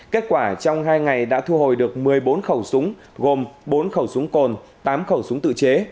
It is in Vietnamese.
kết quả trong hai ngày đã thu hồi được một mươi bốn khẩu súng gồm bốn khẩu súng cồn tám khẩu súng tự chế